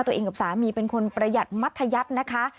ตัวเองกับสามีเป็นคนประหยัดมัธยัตินะคะ